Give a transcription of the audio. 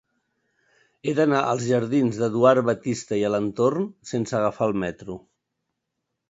He d'anar als jardins d'Eduard Batiste i Alentorn sense agafar el metro.